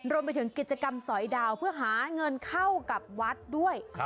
รวมไปถึงกิจกรรมสอยดาวเพื่อหาเงินเข้ากับวัดด้วย